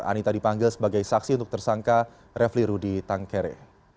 anitta dipanggil sebagai saksi untuk tersangka raffli rudi tangkere